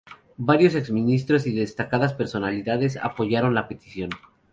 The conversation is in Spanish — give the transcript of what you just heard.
Varios exministros y destacadas personalidades apoyaron la petición.